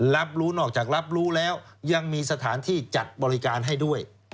รับรู้นอกจากรับรู้แล้วยังมีสถานที่จัดบริการให้ด้วย